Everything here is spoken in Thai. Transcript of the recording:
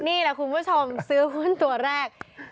นี่แหละคุณผู้ชมซื้อหุ้นตัวแรก